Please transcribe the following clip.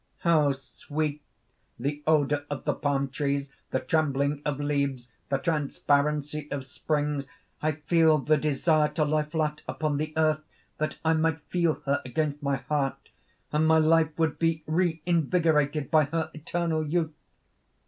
"How sweet the odour of the palm trees, the trembling of leaves, the transparency of springs! I feel the desire to lie flat upon the Earth that I might feel her against my heart; and my life would be reinvigorated by her eternal youth!"